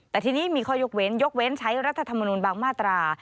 แต่ทีนี้มีข้อยกเว้นยกเว้นใช้รัฐธรรมนุนบางมาตรา